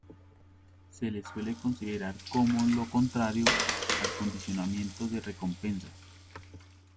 Se le suele considerar como lo contrario al condicionamiento de recompensa.